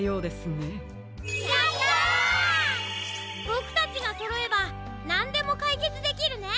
ボクたちがそろえばなんでもかいけつできるね！